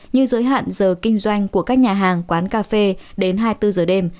như giới hạn giờ kinh doanh của các nhà hàng quán cà phê đến hai mươi bốn giờ đêm